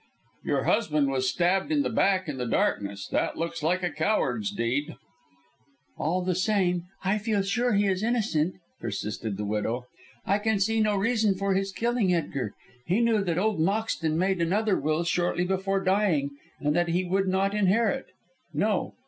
"Your husband was stabbed in the back in the darkness. That looks like a coward's deed." "All the same, I feel sure he is innocent," persisted the widow. "I can see no reason for his killing Edgar. He knew that old Moxton made another will shortly before dying, and that he would not inherit. No!